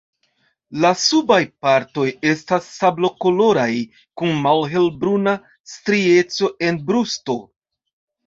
La subaj partoj estas sablokoloraj kun malhelbruna strieco en brusto.